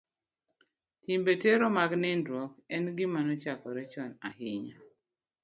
Timbe tero mag nindruok en gima nochakore chon ahinya.